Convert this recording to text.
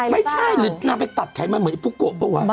ไม่ใช่หรือนางไปตัดไขมันเหมือนอีปุโกะเปล่าวะ